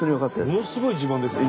ものすごい自慢ですよね。